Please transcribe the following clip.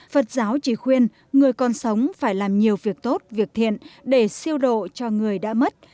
phật giáo chỉ khuyên người còn sống phải làm nhiều việc tốt việc thiện để siêu độ cho người đã mất